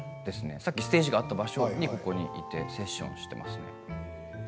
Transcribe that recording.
さっきステージがあった場所にここにいてセッションをしていました。